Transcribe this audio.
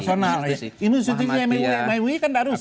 ini institusi mui kan gak rusak